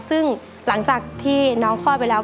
ซึ่งหลังจากที่น้องคลอดไปแล้ว